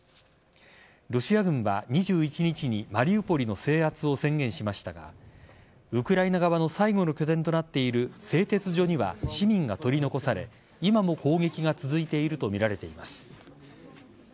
ロシア軍は２１日にマリウポリの制圧を宣言しましたがウクライナ側の最後の拠点となっている製鉄所には市民が取り残され今も攻撃が続いているとみられています。